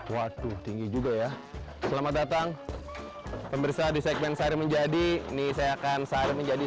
waduh tinggi juga ya selamat datang pemirsa di segmen sari menjadi ini saya akan sari menjadi